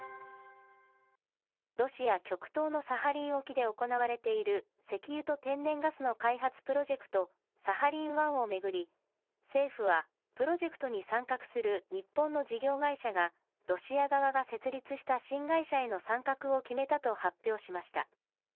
ロシア極東のサハリン沖で行われている石油と天然ガスの開発プロジェクト、サハリン１を巡り、政府はプロジェクトに参画する日本の事業会社が、ロシア側が設立した新会社への参画を決めたと発表しました。